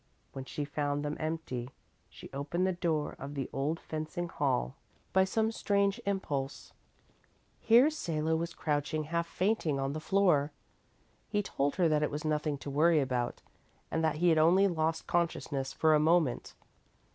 When she found them empty, she opened the door of the old fencing hall by some strange impulse. Here Salo was crouching half fainting on the floor. He told her that it was nothing to worry about, and that he had only lost consciousness for a moment.